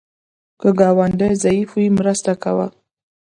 که ګاونډی ضعیف وي، مرسته کوه